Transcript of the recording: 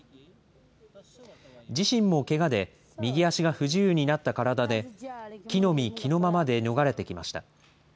自身もけがで右足が不自由になった体で、着のみ着のままで逃れてきました。